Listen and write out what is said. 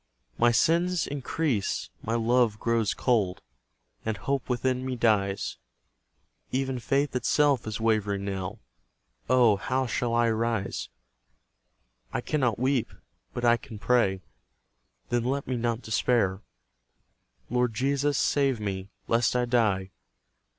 My sins increase my love grows cold, And Hope within me dies: Even Faith itself is wavering now; Oh, how shall I arise? I cannot weep, but I can pray, Then let me not despair: Lord Jesus, save me, lest I die!